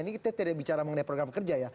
ini kita tidak bicara mengenai program kerja ya